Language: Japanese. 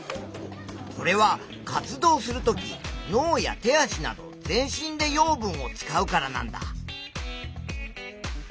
これは活動するとき脳や手足など全身で養分を使うからなんだ。